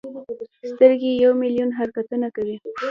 سترګې یو ملیون حرکتونه کوي.